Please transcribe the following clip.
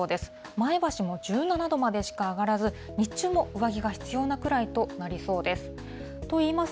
前橋も１７度までしか上がらず、日中も上着が必要なくらいとなりそうです。